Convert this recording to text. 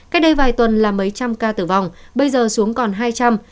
cách đây vài tuần là mấy trăm ca tử vong bây giờ xuống còn hai trăm linh